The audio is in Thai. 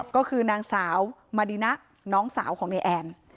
ก็คือนางสาวมาดีนะน้องสาวของนายแอน